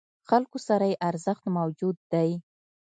خلکو سره یې ارزښت موجود دی.